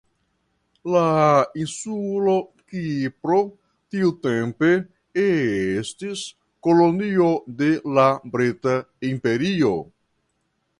La insulo Kipro tiutempe estis kolonio de la Brita Imperio.